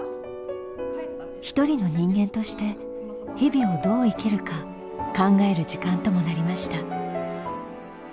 一人の人間として日々をどう生きるか考える時間ともなりました。